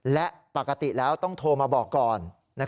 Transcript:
และปกติแล้วต้องโทรมาบอกก่อน